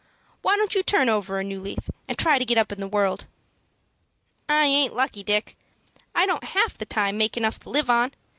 Why don't you turn over a new leaf, and try to get up in the world?" "I aint lucky, Dick. I don't half the time make enough to live on.